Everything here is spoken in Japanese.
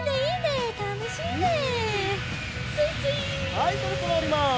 はいそろそろおります。